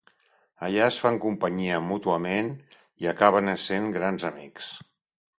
Allà es fan companyia mútuament i acaben essent grans amics.